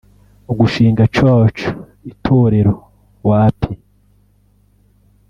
Gushinga church (itorero) wapi